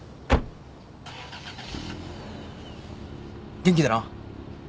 元気でな。